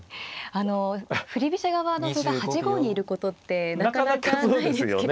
あの振り飛車側の歩が８五にいることってなかなかないですけれども。